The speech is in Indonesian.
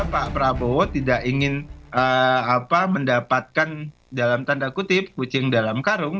pak prabowo tidak ingin mendapatkan dalam tanda kutip kucing dalam karung